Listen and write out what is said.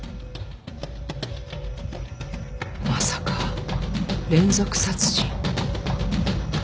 まさか連続殺人！？